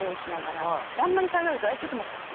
あんまり下がると「ちょっと待ってください」